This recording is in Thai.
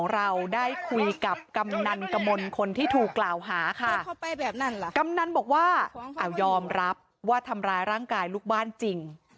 เราได้คุยกับกำนันกมลคนที่ถูกกล่าวหาค่ะกำนันบอกว่ายอมรับว่าทำร้ายร่างกายลูกบ้านจริง